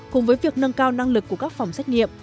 cùng với việc nâng cao năng lực của các phòng xét nghiệm